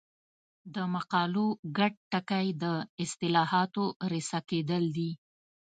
د مقالو ګډ ټکی د اصطلاحاتو رسا کېدل دي.